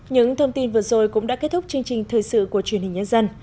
những thông tin vừa rồi cũng đã kết thúc chương trình thời sự của truyền hình nhân dân